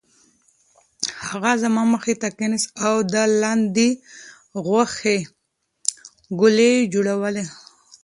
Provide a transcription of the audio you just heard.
هغه زما مخې ته کېناست او د لاندي غوښې ګولې یې جوړولې.